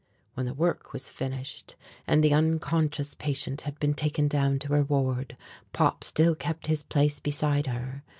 When the work was finished and the unconscious patient had been taken down to her ward, Pop still kept his place beside her.